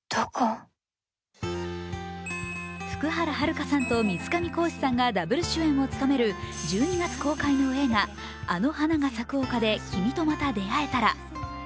福原遥さんと水上恒司さんがダブル主演を務める１２月公開の映画「あの花が咲く丘で、君とまた出会えたら」。